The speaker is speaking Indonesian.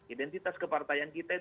identitas kepartaian kita juga